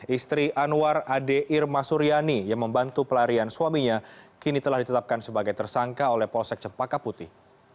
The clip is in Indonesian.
istri anwar ade irma suryani yang membantu pelarian suaminya kini telah ditetapkan sebagai tersangka oleh polsek cempaka putih